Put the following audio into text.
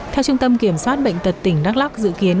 theo trung tâm kiểm soát bệnh tật tỉnh đắk lắc dự kiến